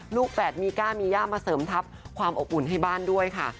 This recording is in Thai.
แฝดมีก้ามีย่ามาเสริมทัพความอบอุ่นให้บ้านด้วยค่ะ